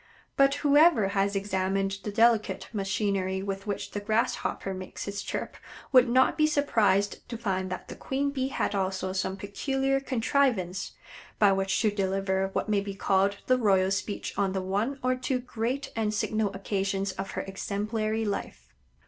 But whoever has examined the delicate machinery with which the Grass hopper makes his chirp would not be surprised to find that the queen Bee had also some peculiar contrivance by which to deliver what may be called the royal speech on the one or two great and signal occasions of her exemplary life.